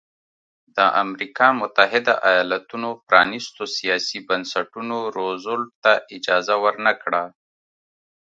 د امریکا متحده ایالتونو پرانیستو سیاسي بنسټونو روزولټ ته اجازه ورنه کړه.